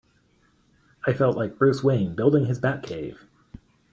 I felt like Bruce Wayne building his Batcave!